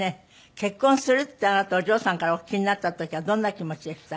結婚するってあなたお嬢さんからお聞きになった時はどんな気持ちでした？